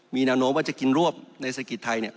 มีแนวโน้มว่าจะกินรวบในเศรษฐกิจไทยเนี่ย